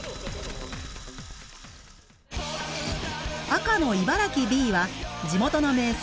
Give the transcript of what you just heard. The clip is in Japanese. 赤の茨城Ｂは地元の名産